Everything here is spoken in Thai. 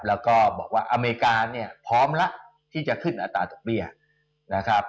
แล้วก็บอกว่าอเมริกาเนี่ยพร้อมแล้วที่จะขึ้นอัตราดอกเบี้ยนะครับ